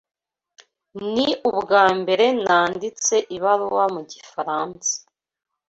Ni ubwambere nanditse ibaruwa mu gifaransa.